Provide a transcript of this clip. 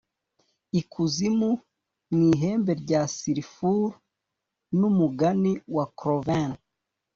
ikuzimu mu ihembe rya sulfuru n'umugani wa cloven,